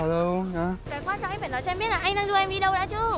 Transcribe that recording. cái quan trọng anh phải nói cho em biết là anh đang đưa em đi đâu đã chứ